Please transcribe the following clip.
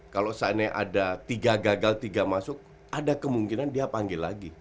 kalau seandainya ada tiga gagal tiga masuk ada kemungkinan dia panggil lagi